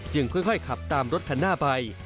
ค่อยขับตามรถคันหน้าไป